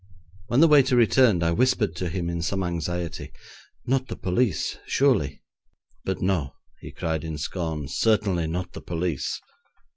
When the waiter returned I whispered to him in some anxiety, 'Not the police, surely?' 'But no!' he cried in scorn; 'certainly not the police.'